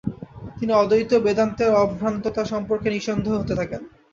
তিনি অদ্বৈত বেদান্তের অভ্রান্ততা সম্পর্কে নিঃসন্দেহ হতে থাকেন।